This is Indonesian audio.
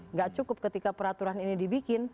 nggak cukup ketika peraturan ini dibikin